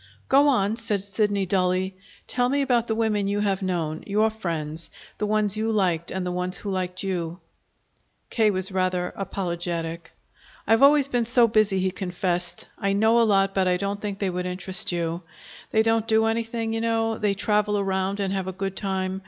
"Go on," said Sidney dully. "Tell me about the women you have known, your friends, the ones you liked and the ones who liked you." K. was rather apologetic. "I've always been so busy," he confessed. "I know a lot, but I don't think they would interest you. They don't do anything, you know they travel around and have a good time.